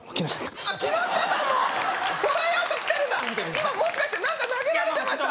今もしかして何か投げられてました？